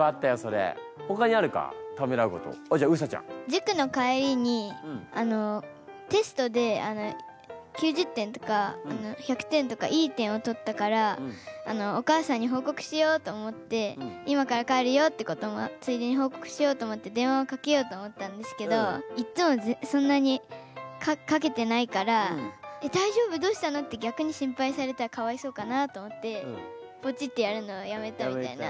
じゅくの帰りにテストで９０点とか１００点とかいい点を取ったからお母さんに報告しようと思って今から帰るよってこともついでに報告しようと思って電話をかけようと思ったんですけどいっつもそんなにかけてないから「大丈夫？どうしたの？」って逆に心配されたらかわいそうかなと思ってポチってやるのをやめたみたいな。